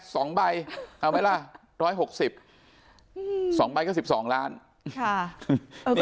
สองใบเอาไหมล่ะร้อยหกสิบอืมสองใบก็สิบสองล้านค่ะ